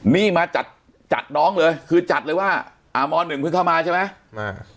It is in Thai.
นี่มาจัดน้องเลยคือจัดเลยว่าม๑เพิ่งเข้ามาใช่ไหม